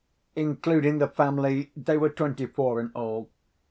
Including the family, they were twenty four in all.